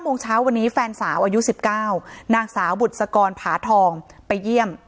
โมงเช้าวันนี้แฟนสาวอายุ๑๙นางสาวบุษกรผาทองไปเยี่ยม